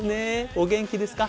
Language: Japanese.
お元気ですか？